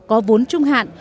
có vốn trung hạn